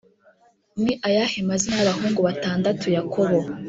Ni ayahe mazina y abahungu batandatu Yakobo